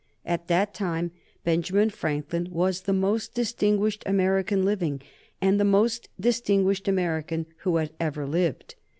At that time Benjamin Franklin was the most distinguished American living and the most distinguished American who had ever lived.